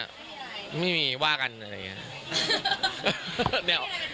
ไม่มีว่ากันอะไรอย่างนี้